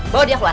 bawa dia keluar